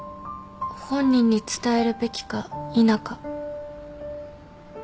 本人に伝えるべきか否か。